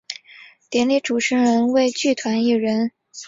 典礼主持人为剧团一人。